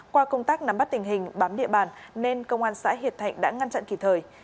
qua công tác nắm bắt tình hình bám địa bàn nên công an xã hiệp thạnh đã ngăn chặn kỳ thời